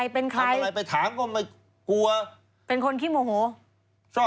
เป็นคนที่โมโห